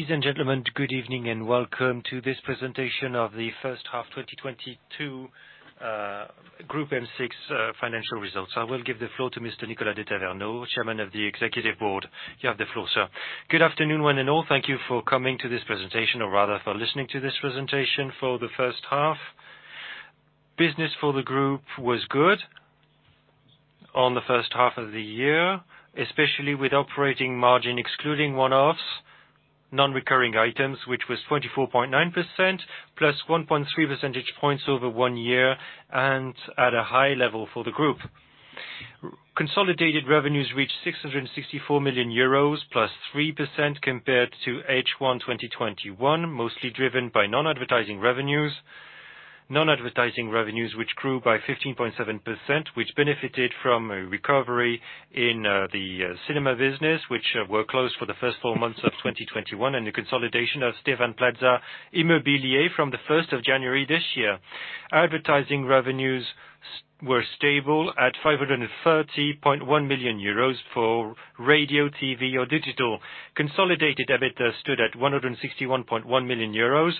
Ladies and gentlemen, good evening and welcome to this presentation of the first half 2022 M6 Group financial results. I will give the floor to Mr. Nicolas de Tavernost, Chairman of the Executive Board. You have the floor, sir. Good afternoon one and all. Thank you for coming to this presentation or rather for listening to this presentation for the first half. Business for the group was good on the first half of the year, especially with operating margin excluding one-offs, non-recurring items which was 24.9%, +1.3 percentage points over one year and at a high level for the group. Consolidated revenues reached 664 million euros +3% compared to H1 2021, mostly driven by non-advertising revenues. Non-advertising revenues which grew by 15.7%, which benefited from a recovery in the cinema business which were closed for the first four months of 2021, and the consolidation of Stéphane Plaza Immobilier from the first of January this year. Advertising revenues were stable at 530.1 million euros for radio, TV or digital. Consolidated EBITA stood at 161.1 million euros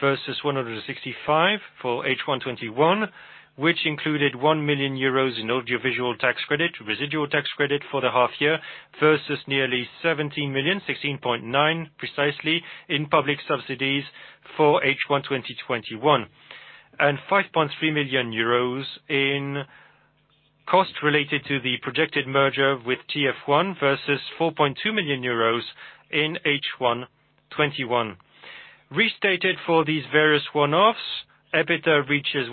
versus 165 million for H1 2021, which included 1 million euros in audiovisual tax credit, residual tax credit for the half year versus nearly 17 million, 16.9 million precisely in public subsidies for H1 2021, and 5.3 million euros in costs related to the projected merger with TF1 versus 4.2 million euros in H1 2021. Restated for these various one-offs, EBITA reaches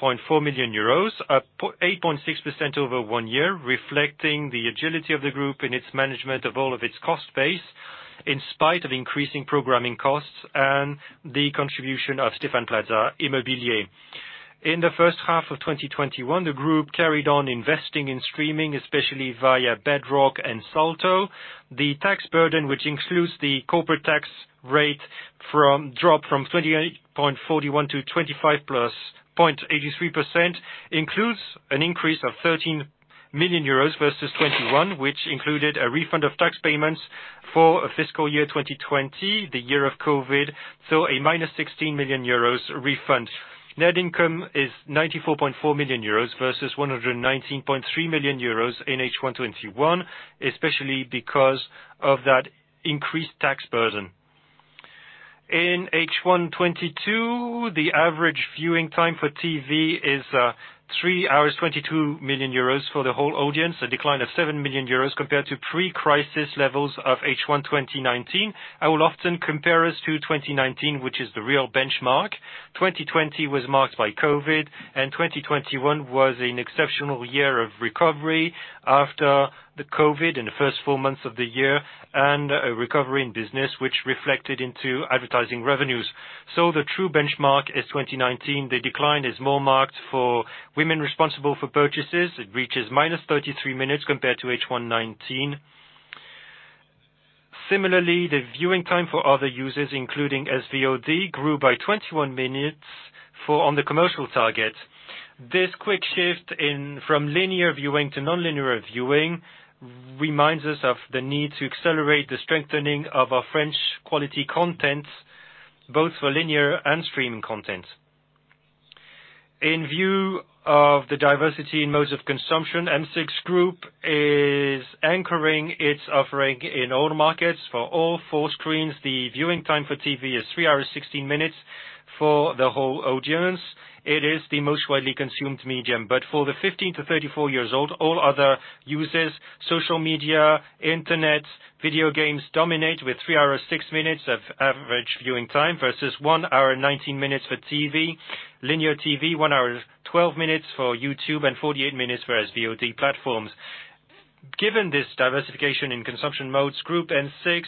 165.4 million euros, up 8.6% over one year, reflecting the agility of the group in its management of all of its cost base, in spite of increasing programming costs and the contribution of Stéphane Plaza Immobilier. In the first half of 2021, the group carried on investing in streaming, especially via Bedrock and Salto. The tax burden, which includes the corporate tax rate dropped from 28.41% to 25.83%, includes an increase of 13 million euros versus 2021, which included a refund of tax payments for a fiscal year, 2020, the year of COVID, so a -16 million euros refund. Net income is 94.4 million euros versus 119.3 million euros in H1 2021, especially because of that increased tax burden. In H1 2022, the average viewing time for TV is three hours 22 minutes for the whole audience, a decline of seven minutes compared to pre-crisis levels of H1 2019. I will often compare us to 2019, which is the real benchmark. 2020 was marked by COVID, and 2021 was an exceptional year of recovery after the COVID in the first four months of the year and a recovery in business which reflected into advertising revenues. The true benchmark is 2019. The decline is more marked for women responsible for purchases. It reaches -33 minutes compared to H1 2019. Similarly, the viewing time for other users, including SVOD, grew by 21 minutes on the commercial target. This quick shift from linear viewing to non-linear viewing reminds us of the need to accelerate the strengthening of our French quality content, both for linear and streaming content. In view of the diversity in modes of consumption, M6 Group is anchoring its offering in all markets for all four screens. The viewing time for TV is 3 hours, 16 minutes for the whole audience. It is the most widely consumed medium, but for the 15 to 34-year-olds, all other users, social media, internet, video games dominate with 3 hours, 6 minutes of average viewing time versus one hour, 19 minutes for TV, linear TV, one hour, 12 minutes for YouTube and 48 minutes for SVOD platforms. Given this diversification in consumption modes, M6 Group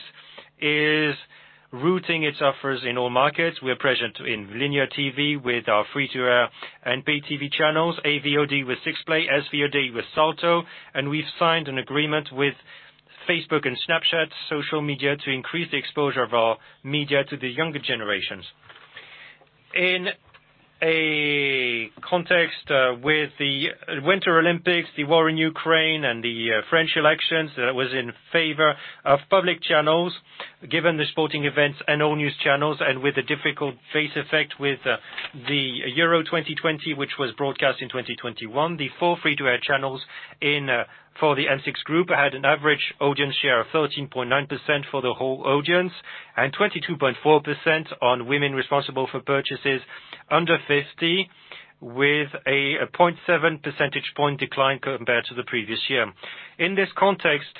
is routing its offers in all markets. We're present in linear TV with our free-to-air and pay TV channels, AVOD with 6play, SVOD with Salto, and we've signed an agreement with Facebook and Snapchat social media to increase the exposure of our media to the younger generations. In a context with the Winter Olympics, the war in Ukraine and the French elections, that was in favor of public channels, given the sporting events and all news channels and with a difficult base effect with the Euro 2020, which was broadcast in 2021. The four free-to-air channels in for the M6 Group had an average audience share of 13.9% for the whole audience and 22.4% on women responsible for purchases under 50 with a 0.7 percentage point decline compared to the previous year. In this context,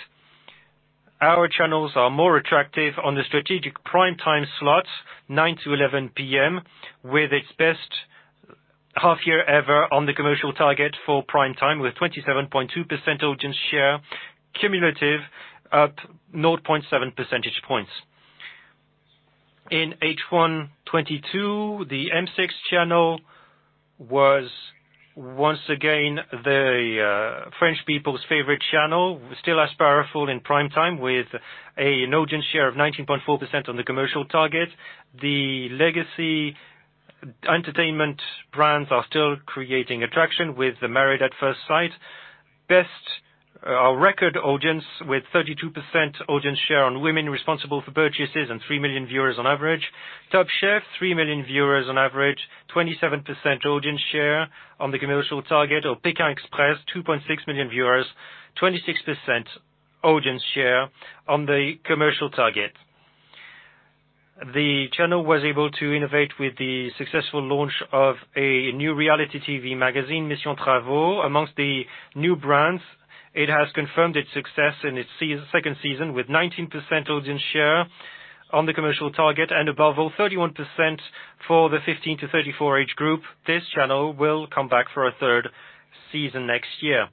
our channels are more attractive on the strategic prime time slots, 9.00 P.M.-11.00 P.M., with its best half year ever on the commercial target for prime time with 27.2% audience share cumulative up 0.7 percentage points. In H1 2022, the M6 channel was once again the French people's favorite channel. Still as powerful in prime time with an audience share of 19.4% on the commercial target. The legacy entertainment brands are still creating attraction with the Married at First Sight, best record audience with 32% audience share on women responsible for purchases and three million viewers on average. Top Chef, three million viewers on average, 27% audience share on the commercial target. Or Pékin Express, 2.6 million viewers, 26% audience share on the commercial target. The channel was able to innovate with the successful launch of a new reality TV magazine, Mission Travaux. Among the new brands, it has confirmed its success in its second season with 19% audience share on the commercial target and above all, 31% for the 15-34 age group. This channel will come back for a third season next year.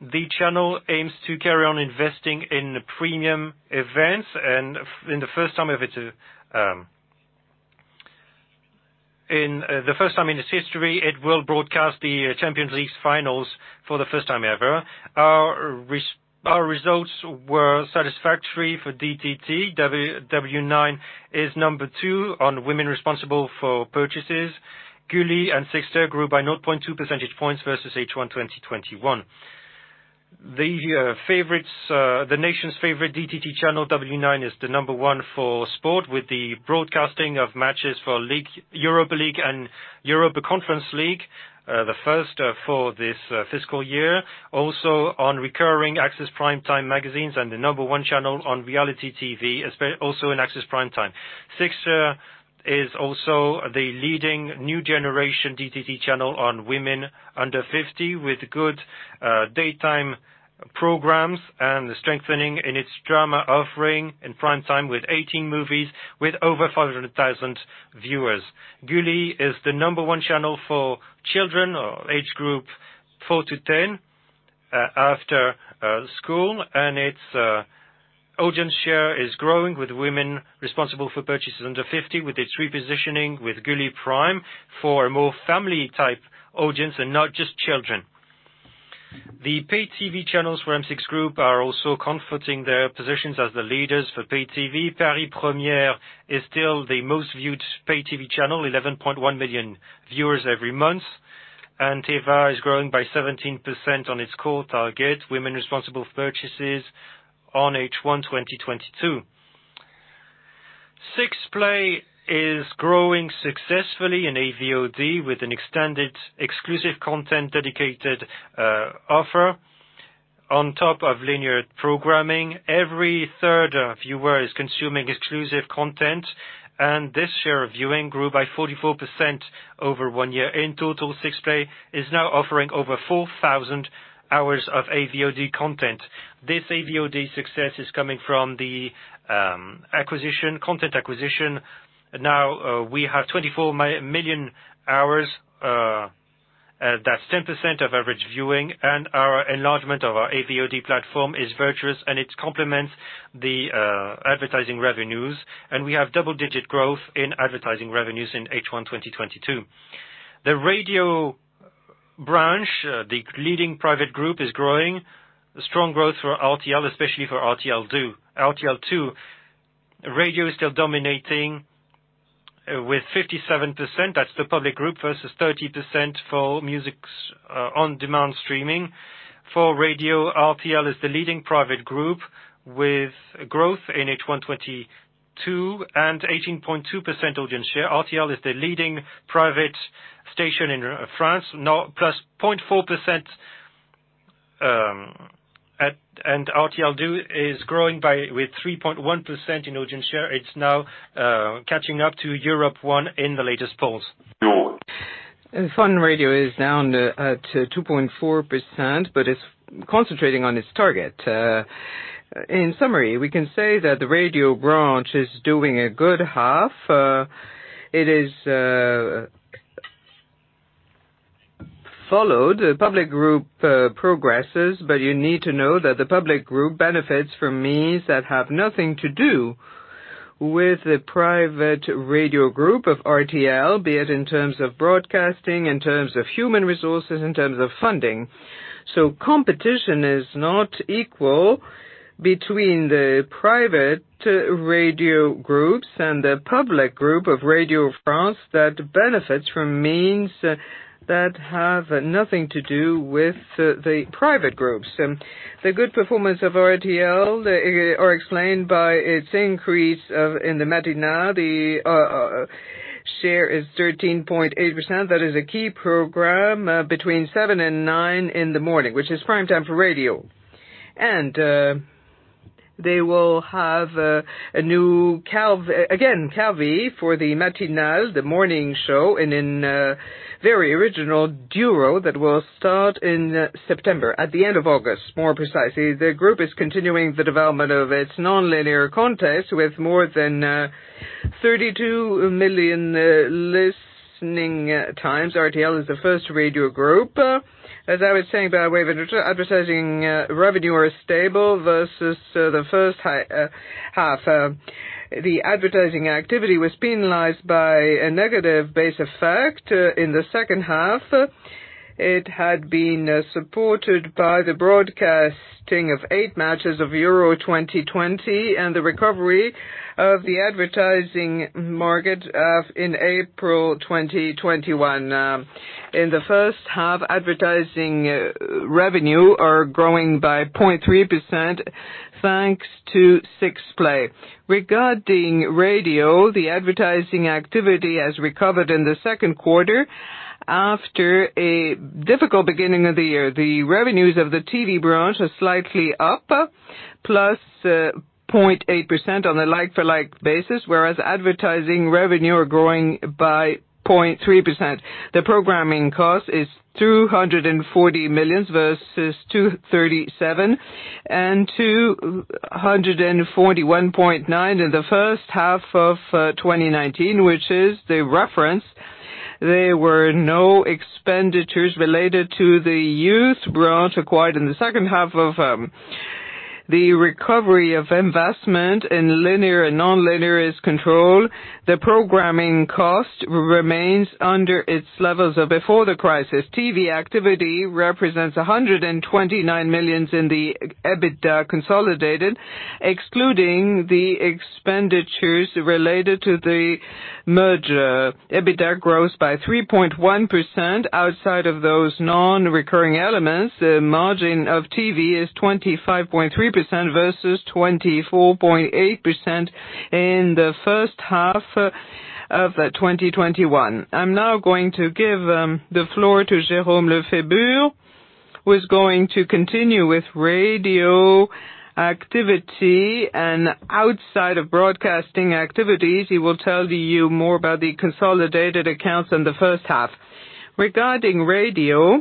The channel aims to carry on investing in premium events and for the first time in its history, it will broadcast the Champions League finals for the first time ever. Our results were satisfactory for DTT. W9 is number two on women responsible for purchases. Gulli and 6ter grew by 0.2 percentage points versus H1 2021. The nation's favorite DTT channel, W9, is the number one for sport with the broadcasting of matches for Europa League and Europa Conference League, the first for this fiscal year. Also on recurring access primetime magazines and the number one channel on reality TV, also in access primetime. 6ter is also the leading new generation DTT channel on women under 50 with good daytime programs and the strengthening in its drama offering in primetime with 18 movies with over 500,000 viewers. Gulli is the number one channel for children age group four to 10 after school, and its audience share is growing with women responsible for purchases under 50 with its repositioning with Gulli Prime for a more family type audience and not just children. The paid TV channels for M6 Group are also comforting their positions as the leaders for paid TV. Paris Première is still the most viewed paid TV channel, 11.1 million viewers every month. Téva is growing by 17% on its core target, women responsible for purchases on H1 2022. 6play is growing successfully in AVOD with an extended exclusive content dedicated offer on top of linear programming. Every third viewer is consuming exclusive content, and this year viewing grew by 44% over one year. In total, 6play is now offering over 4,000 hours of AVOD content. This AVOD success is coming from the content acquisition. Now we have 24 million hours. That's 10% of average viewing, and our enlargement of our AVOD platform is virtuous, and it complements the advertising revenues. We have double-digit growth in advertising revenues in H1 2022. The radio branch, the leading private group, is growing. Strong growth for RTL, especially for RTL2. Radio is still dominating with 57%, that's the public group, versus 30% for music's on-demand streaming. For radio, RTL is the leading private group with growth in H1 2022 and 18.2% audience share. RTL is the leading private station in France, now +0.4%. RTL2 is growing with 3.1% in audience share. It's now catching up to Europe 1 in the latest polls. Fun Radio is down at 2.4%, but it's concentrating on its target. In summary, we can say that the radio branch is doing a good half. It is followed. Public group progresses, but you need to know that the public group benefits from means that have nothing to do with the private radio group of RTL, be it in terms of broadcasting, in terms of human resources, in terms of funding. Competition is not equal between the private radio groups and the public group of Radio France that benefits from means that have nothing to do with the private groups. The good performance of RTL are explained by its increase in the Matinale. The share is 13.8%. That is a key program between 7.00 A.M. and 9.00 A.M. In the morning, which is primetime for radio. They will have a new cadre for the RTL Matin, the morning show, and in a very original duo that will start in September, at the end of August, more precisely. The group is continuing the development of its nonlinear content with more than 32 million listening times. RTL is the first radio group. As I was saying, by way of intro, advertising revenue is stable versus the first half. The advertising activity was penalized by a negative base effect in the second half. It had been supported by the broadcasting of eight matches of Euro 2020 and the recovery of the advertising market in April 2021. In the first half, advertising revenue is growing by 0.3% thanks to 6play. Regarding radio, the advertising activity has recovered in the second quarter after a difficult beginning of the year. The revenues of the TV branch are slightly up, +0.8% on a like-for-like basis, whereas advertising revenue is growing by 0.3%. The programming cost is 240 million versus 237 million and 241.9 million. In the first half of 2019, which is the reference, there were no expenditures related to the youth branch acquired in the second half of the recovery of investment in linear and nonlinear is controlled. The programming cost remains under its levels of before the crisis. TV activity represents 129 million in the EBITDA consolidated, excluding the expenditures related to the merger. EBITDA grows by 3.1% outside of those non-recurring elements. The margin of TV is 25.3% versus 24.8% in the first half of 2021. I'm now going to give the floor to Jérôme Lefébure, who is going to continue with radio activity, and outside of broadcasting activities, he will tell you more about the consolidated accounts in the first half. Regarding radio,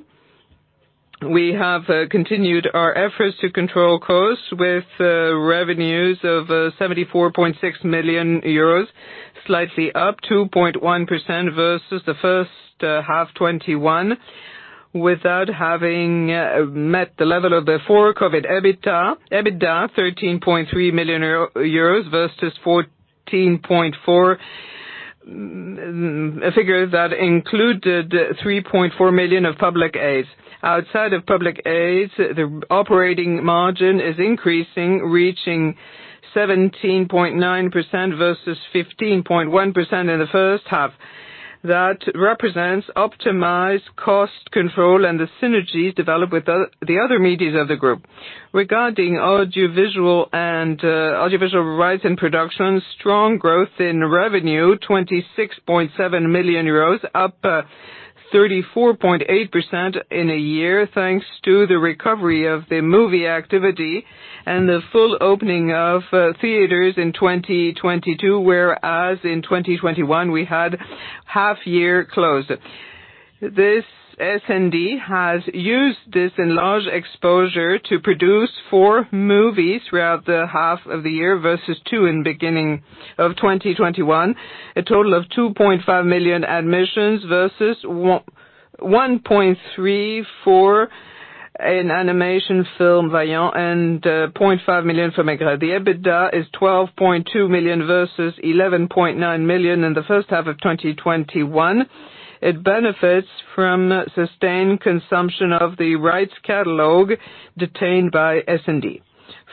we have continued our efforts to control costs with revenues of 74.6 million euros, slightly up 2.1% versus the first half 2021 without having met the level of the pre-COVID EBITDA. EBITDA 13.3 million euros versus 14.4 million, a figure that included 3.4 million of public aids. Outside of public aids, the operating margin is increasing, reaching 17.9% versus 15.1% in the first half. That represents optimized cost control and the synergies developed with the other medias of the group. Regarding audiovisual rights and production, strong growth in revenue, 26.7 million euros, up 34.8% in a year, thanks to the recovery of the movie activity and the full opening of theaters in 2022, whereas in 2021 we had half year closed. SND has used this enlarged exposure to produce four movies throughout the half of the year versus two in beginning of 2021, a total of 2.5 million admissions versus 1.3 for an animation film, Vaillante, and 0.5 million for Maigret. The EBITDA is 12.2 million versus 11.9 million in the first half of 2021. It benefits from sustained consumption of the rights catalog detained by SND.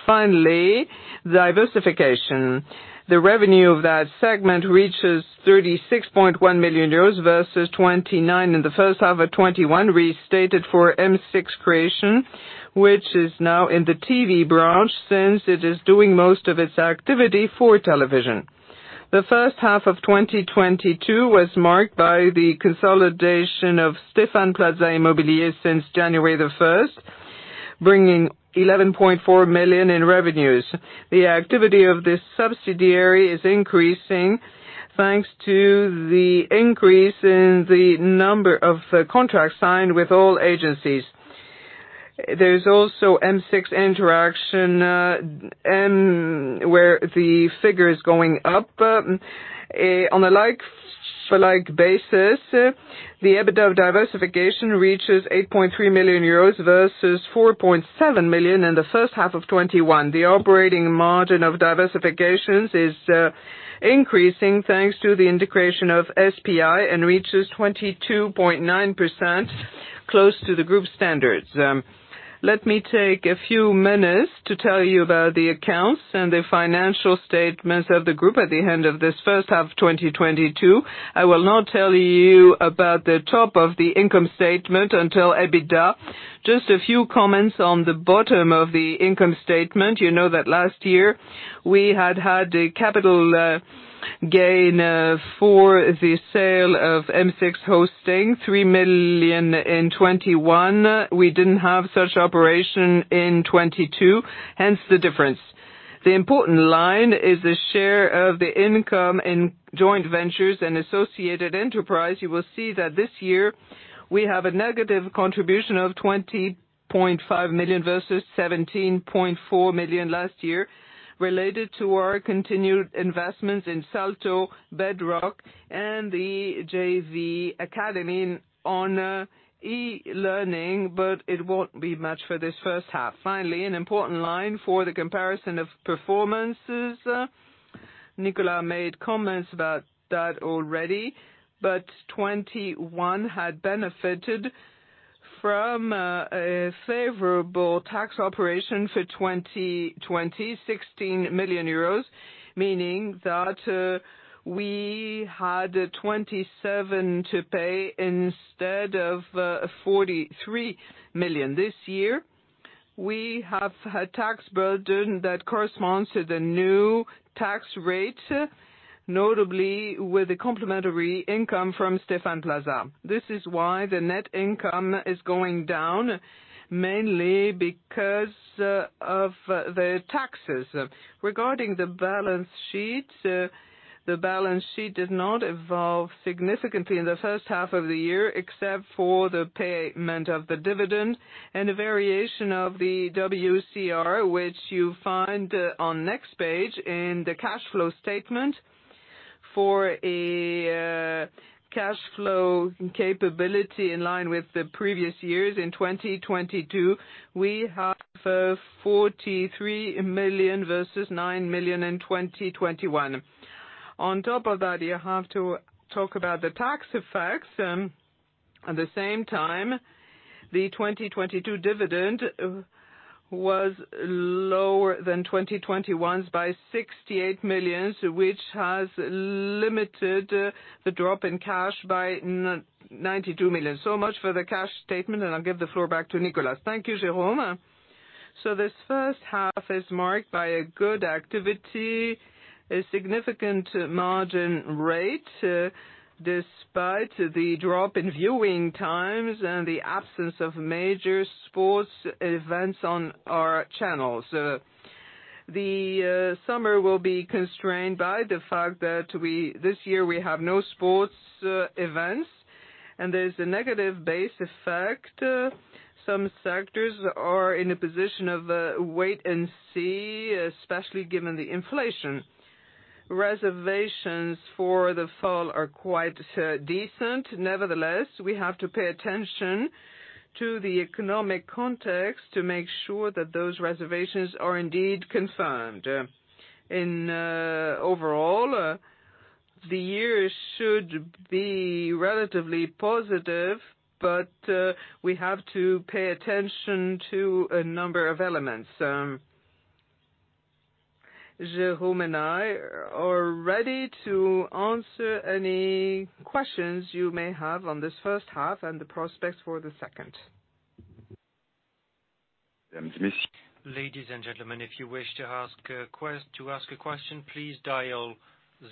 Finally, diversification. The revenue of that segment reaches 36.1 million euros versus 29 in the first half of 2021, restated for M6 Créations, which is now in the TV branch since it is doing most of its activity for television. The first half of 2022 was marked by the consolidation of Stéphane Plaza Immobilier since January 1, bringing 11.4 million in revenues. The activity of this subsidiary is increasing thanks to the increase in the number of contracts signed with all agencies. There's also M6 Interactions, where the figure is going up. On a like for like basis, the EBITDA of diversification reaches 8.3 million euros versus 4.7 million in the first half of 2021. The operating margin of diversifications is increasing thanks to the integration of SPI and reaches 22.9%, close to the group standards. Let me take a few minutes to tell you about the accounts and the financial statements of the group at the end of this first half of 2022. I will not tell you about the top of the income statement until EBITDA. Just a few comments on the bottom of the income statement. You know that last year we had a capital gain for the sale of M6 Hosting, 3 million in 2021. We didn't have such operation in 2022, hence the difference. The important line is the share of the income in joint ventures and associated enterprise. You will see that this year we have a negative contribution of 20.5 million versus 17.4 million last year related to our continued investments in Salto, Bedrock, and the JV Academy on e-learning, but it won't be much for this first half. Finally, an important line for the comparison of performances, Nicolas made comments about that already, but 2021 had benefited from a favorable tax operation for 2020, 16 million euros. Meaning that, we had 27 to pay instead of 43 million. This year, we have a tax burden that corresponds to the new tax rate, notably with the complementary income from Stéphane Plaza. This is why the net income is going down, mainly because of the taxes. Regarding the balance sheet, the balance sheet did not evolve significantly in the first half of the year, except for the payment of the dividend and the variation of the WCR, which you find on next page in the cash flow statement. For cash flow capability in line with the previous years, in 2022, we have 43 million versus 9 million in 2021. On top of that, you have to talk about the tax effects. At the same time, the 2022 dividend was lower than 2021's by 68 million, which has limited the drop in cash by 92 million. So much for the cash flow statement, and I'll give the floor back to Nicolas. Thank you, Jérôme. This first half is marked by a good activity, a significant margin rate, despite the drop in viewing times and the absence of major sports events on our channels. The summer will be constrained by the fact that this year we have no sports events and there's a negative base effect. Some sectors are in a position of wait and see, especially given the inflation. Reservations for the fall are quite decent. Nevertheless, we have to pay attention to the economic context to make sure that those reservations are indeed confirmed. Overall, the year should be relatively positive, but we have to pay attention to a number of elements. Jérôme and I are ready to answer any questions you may have on this first half and the prospects for the second. Ladies and gentlemen, if you wish to ask a question, please dial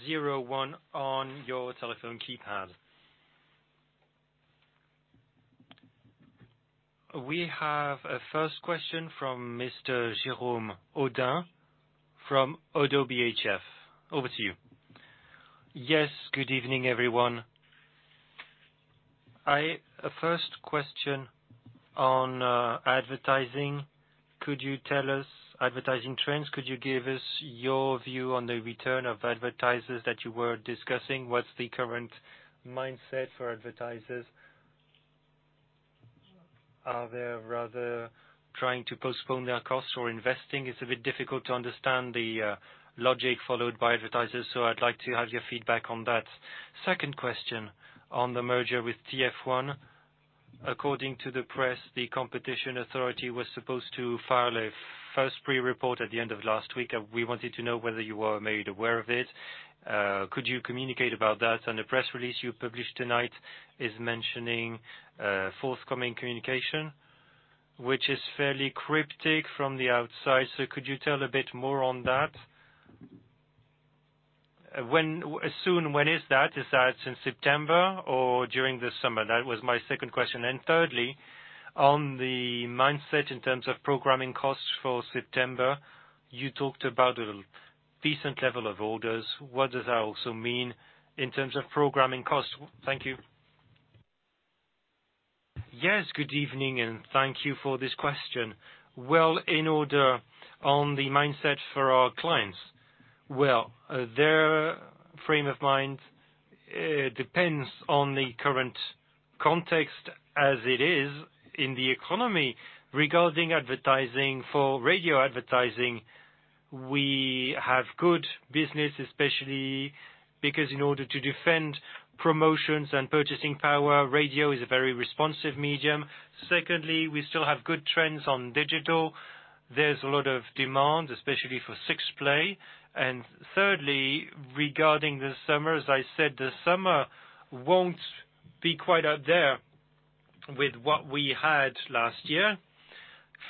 01 on your telephone keypad. We have a first question from Mr. Jérôme Bodin from Oddo BHF. Over to you. Yes, good evening, everyone. A first question on advertising. Could you tell us advertising trends? Could you give us your view on the return of advertisers that you were discussing? What's the current mindset for advertisers? Are they rather trying to postpone their costs or investing? It's a bit difficult to understand the logic followed by advertisers, so I'd like to have your feedback on that. Second question on the merger with TF1. According to the press, the Competition Authority was supposed to file a first pre-report at the end of last week. We wanted to know whether you were made aware of it. Could you communicate about that? The press release you published tonight is mentioning forthcoming communication, which is fairly cryptic from the outside. So could you tell a bit more on that? Soon, when is that? Is that in September or during the summer? That was my second question. And thirdly, on the mindset in terms of programming costs for September, you talked about a decent level of orders. What does that also mean in terms of programming costs? Thank you. Yes, good evening, and thank you for this question. Well, regarding the mindset for our clients, well, their frame of mind depends on the current context as it is in the economy. Regarding advertising, for radio advertising, we have good business, especially because in order to defend promotions and purchasing power, radio is a very responsive medium. Secondly, we still have good trends on digital. There's a lot of demand, especially for 6play. Thirdly, regarding the summer, as I said, the summer won't be quite up there with what we had last year.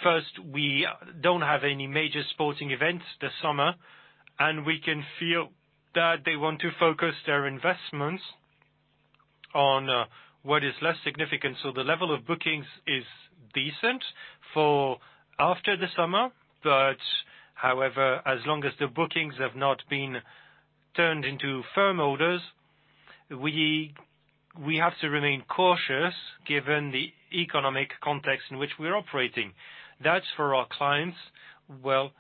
First, we don't have any major sporting events this summer, and we can feel that they want to focus their investments on what is less significant. The level of bookings is decent for after the summer. However, as long as the bookings have not been turned into firm orders, we have to remain cautious given the economic context in which we're operating. That's for our clients. Well,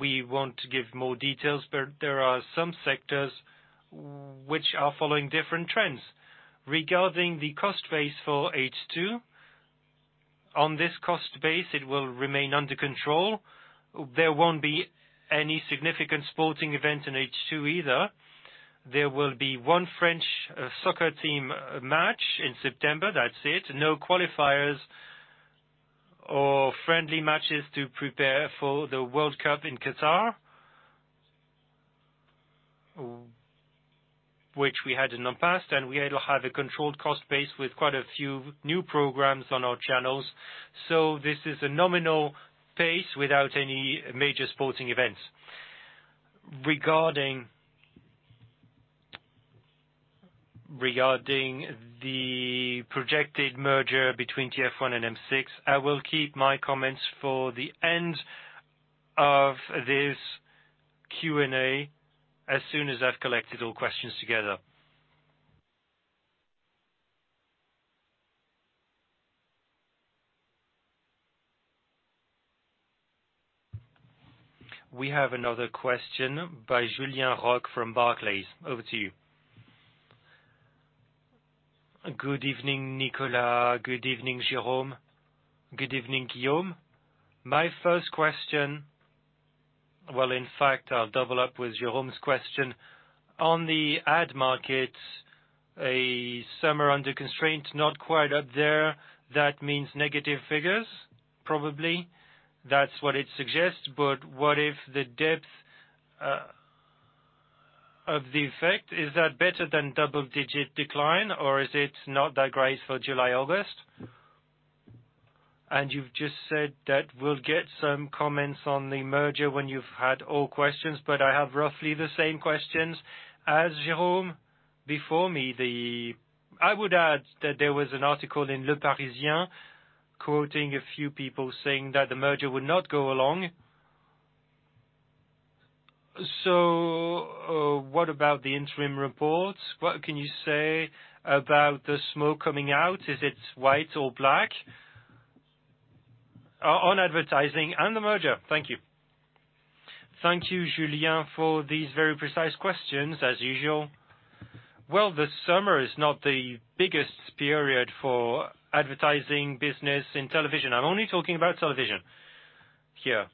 we won't give more details, but there are some sectors which are following different trends. Regarding the cost base for H2. On this cost base, it will remain under control. There won't be any significant sporting event in H2 either. There will be one French soccer team match in September. That's it. No qualifiers or friendly matches to prepare for the World Cup in Qatar. Which we had in the past, and we'll have a controlled cost base with quite a few new programs on our channels. This is a nominal pace without any major sporting events. Regarding the projected merger between TF1 and M6, I will keep my comments for the end of this Q&A as soon as I've collected all questions together. We have another question by Julien Roch from Barclays. Over to you. Good evening, Nicolas. Good evening, Jérôme. Good evening, Guillaume. My first question. Well, in fact, I'll double up with Jérôme's question. On the ad market, a summer under constraint, not quite up there. That means negative figures, probably. That's what it suggests. What if the depth of the effect is that better than double-digit decline, or is it not that great for July, August? You've just said that we'll get some comments on the merger when you've had all questions, but I have roughly the same questions as Jérôme before me. I would add that there was an article in Le Parisien quoting a few people saying that the merger would not go along. What about the interim reports? What can you say about the smoke coming out? Is it white or black? On advertising and the merger. Thank you. Thank you, Julien, for these very precise questions, as usual. Well, the summer is not the biggest period for advertising business in television. I'm only talking about television here.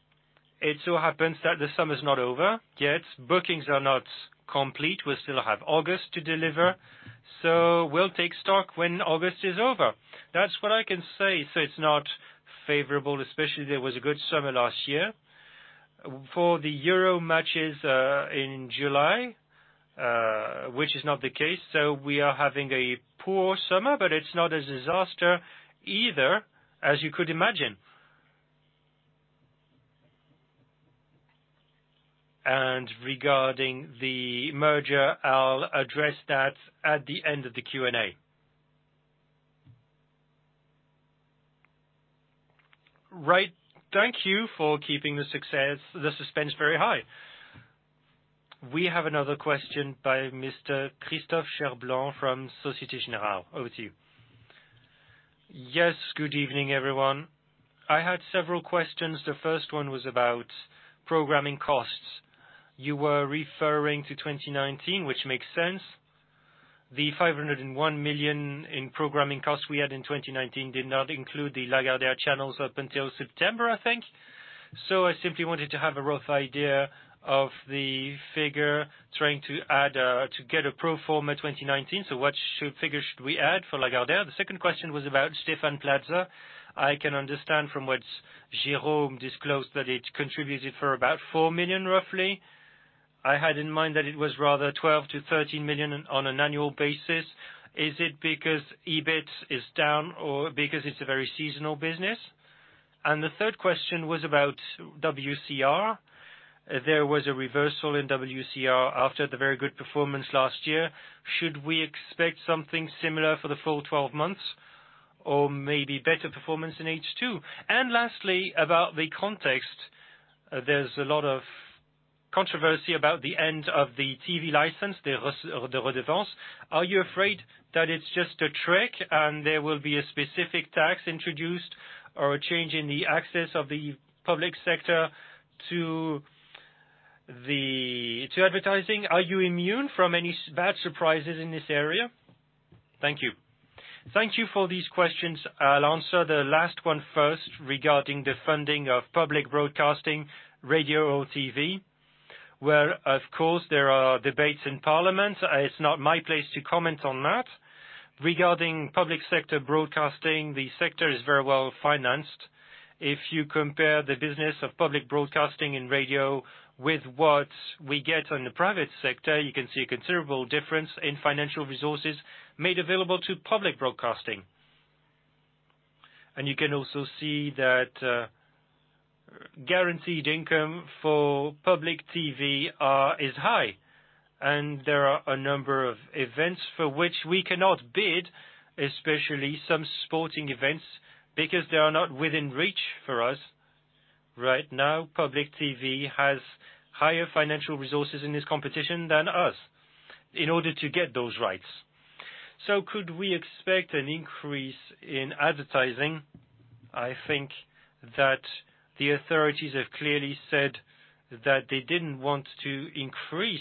It so happens that the summer is not over yet. Bookings are not complete. We still have August to deliver, so we'll take stock when August is over. That's what I can say. It's not favorable, especially there was a good summer last year for the Euro matches in July, which is not the case. We are having a poor summer, but it's not a disaster either, as you could imagine. Regarding the merger, I'll address that at the end of the Q&A. Right. Thank you for keeping the suspense very high. We have another question by Mr. Christophe Cherblanc from Société Générale. Over to you. Yes. Good evening, everyone. I had several questions. The first one was about programming costs. You were referring to 2019, which makes sense. The 501 million in programming costs we had in 2019 did not include the Lagardère channels up until September, I think. I simply wanted to have a rough idea of the figure to add to get a pro forma 2019. What figure should we add for Lagardère? The second question was about Stéphane Plaza. I can understand from what Jérôme disclosed that it contributed for about 4 million, roughly. I had in mind that it was rather 12 million-13 million on an annual basis. Is it because EBIT is down or because it's a very seasonal business? The third question was about WCR. There was a reversal in WCR after the very good performance last year. Should we expect something similar for the full 12 months or maybe better performance in H2? Lastly, about the context, there's a lot of controversy about the end of the TV license, the redevance. Are you afraid that it's just a trick and there will be a specific tax introduced or a change in the access of the public sector to advertising? Are you immune from any bad surprises in this area? Thank you. Thank you for these questions. I'll answer the last one first regarding the funding of public broadcasting, radio or TV, where, of course, there are debates in parliament. It's not my place to comment on that. Regarding public sector broadcasting, the sector is very well-financed. If you compare the business of public broadcasting and radio with what we get on the private sector, you can see a considerable difference in financial resources made available to public broadcasting. You can also see that guaranteed income for public TV is high. There are a number of events for which we cannot bid, especially some sporting events, because they are not within reach for us. Right now, public TV has higher financial resources in this competition than us in order to get those rights. Could we expect an increase in advertising? I think that the authorities have clearly said that they didn't want to increase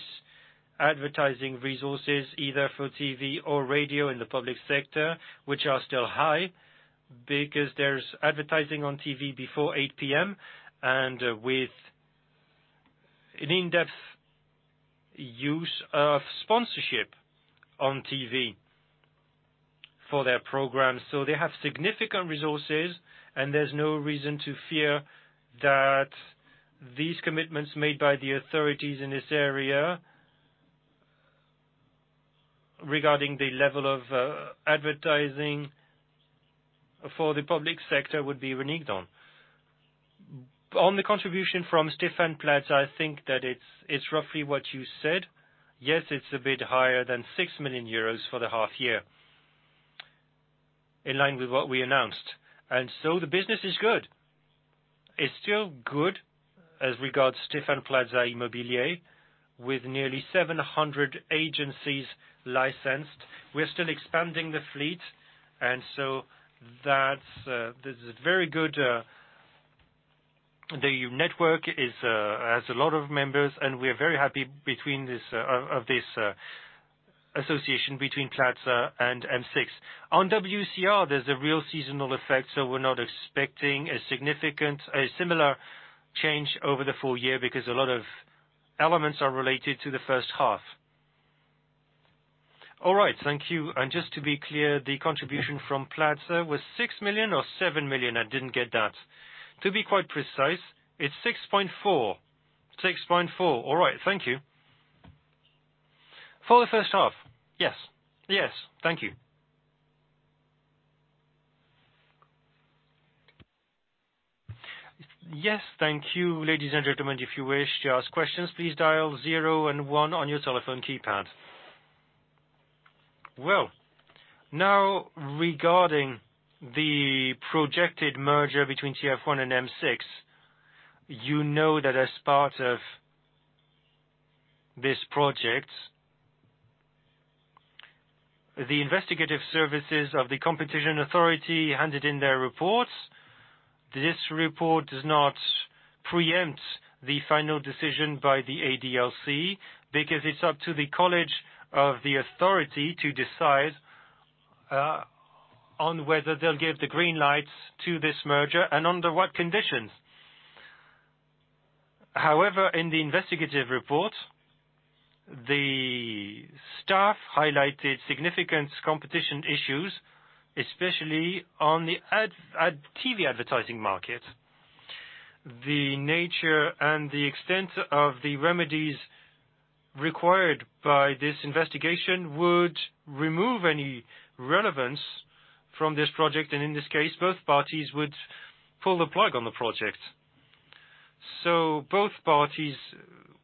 advertising resources, either for TV or radio in the public sector, which are still high because there's advertising on TV before 8:00 P.M. and with an in-depth use of sponsorship on TV for their program. They have significant resources, and there's no reason to fear that these commitments made by the authorities in this area regarding the level of advertising for the public sector would be reneged on. On the contribution from Stéphane Plaza, I think that it's roughly what you said. Yes, it's a bit higher than 6 million euros for the half year, in line with what we announced. The business is good. It's still good as regards Stéphane Plaza Immobilier, with nearly 700 agencies licensed. We're still expanding the fleet. That's very good. The network has a lot of members, and we are very happy with this association between Plaza and M6. On WCR, there's a real seasonal effect, so we're not expecting a similar change over the full year because a lot of elements are related to the first half. All right, thank you. Just to be clear, the contribution from Plaza was 6 million or 7 million? I didn't get that. To be quite precise, it's 6.4 million. All right, thank you. For the first half. Yes. Yes. Thank you. Yes, thank you. Ladies and gentlemen, if you wish to ask questions, please dial zero and one on your telephone keypad. Well, now, regarding the projected merger between TF1 and M6, you know that as part of this project, the investigative services of the competition authority handed in their reports. This report does not preempt the final decision by the ADLC because it's up to the college of the authority to decide on whether they'll give the green light to this merger and under what conditions. However, in the investigative report, the staff highlighted significant competition issues, especially on the TV advertising market. The nature and the extent of the remedies required by this investigation would remove any relevance from this project, and in this case, both parties would pull the plug on the project. Both parties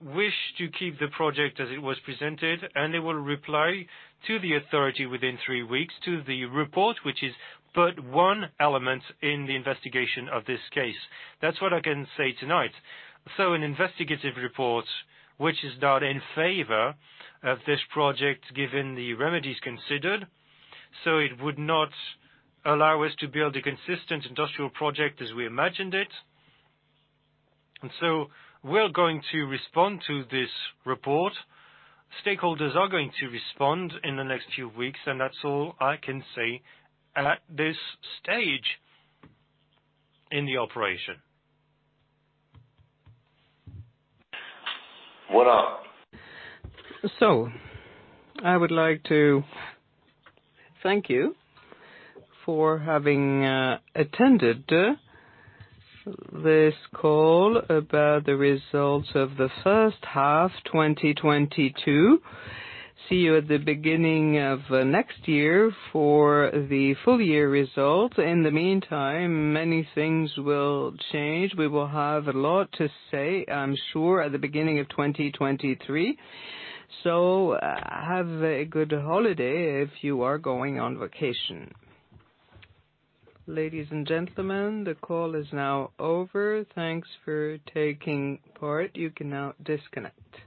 wish to keep the project as it was presented, and they will reply to the authority within three weeks to the report, which is but one element in the investigation of this case. That's what I can say tonight. An investigative report, which is not in favor of this project, given the remedies considered, so it would not allow us to build a consistent industrial project as we imagined it. We're going to respond to this report. Stakeholders are going to respond in the next few weeks, and that's all I can say at this stage in the operation. Voilà. I would like to thank you for having attended this call about the results of the first half, 2022. See you at the beginning of next year for the full year results. In the meantime, many things will change. We will have a lot to say, I'm sure, at the beginning of 2023. Have a good holiday if you are going on vacation. Ladies and gentlemen, the call is now over. Thanks for taking part. You can now disconnect.